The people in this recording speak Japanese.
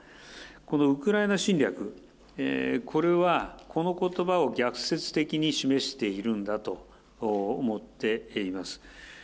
このウクライナ侵略、これは、このことばを逆説的に示しているんだと思っています。